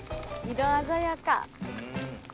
色鮮やか。